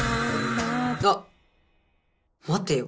あっ待てよ。